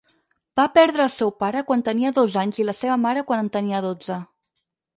Va perdre el seu pare quan tenia dos anys i la seva mare quan en tenia dotze.